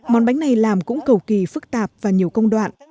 món bánh này làm cũng cầu kỳ phức tạp và nhiều công đoạn